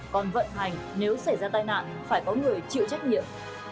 còn vận hành nếu xảy ra tai nạn phải có người chịu trách nhiệm